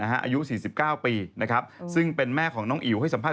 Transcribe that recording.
อายุ๔๙ปีนะครับซึ่งเป็นแม่ของน้องอิ๋วให้สัมภาษ